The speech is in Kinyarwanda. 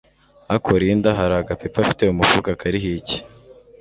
Ako Linda hari aga paper afite mumufuka kariho iki